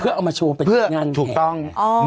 เอามาโชว์เป็นงานถูกต้อง